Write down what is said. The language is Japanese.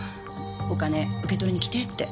お金受け取りに来てって。